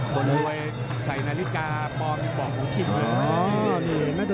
คนรวยใส่นาฬิกาปลอมปลอมหูชิ้น